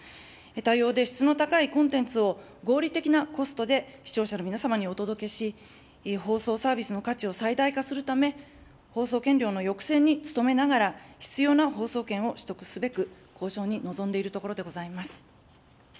多様で質の高いコンテンツを合理的なコストで視聴者の皆様にお届けし、放送サービスの価値を最大化するため、放送権料の抑制に努めながら、必要な放送権を取得すべく、交渉に臨んでいるところでございます。